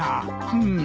うん。